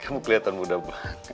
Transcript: kamu kelihatan muda banget